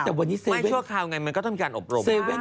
แต่วันนี้ซื้อชั่วคราวไงมันก็ต้องมีการอบรม